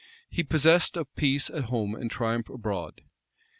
He possessed of peace at home and triumph abroad?